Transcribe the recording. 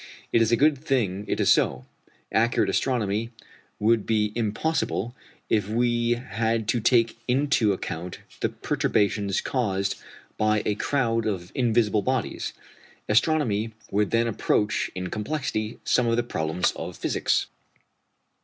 It is a good thing it is so: accurate astronomy would be impossible if we had to take into account the perturbations caused by a crowd of invisible bodies. Astronomy would then approach in complexity some of the problems of physics.